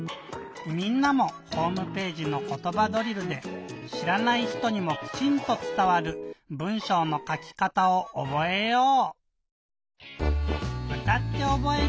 みんなもホームページの「ことばドリル」でしらない人にもきちんとつたわる文しょうのかきかたをおぼえよう！